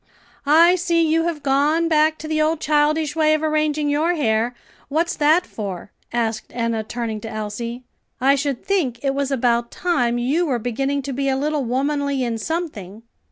"I see you have gone back to the old childish way of arranging your hair. What's that for?" asked Enna, turning to Elsie; "I should think it was about time you were beginning to be a little womanly in something."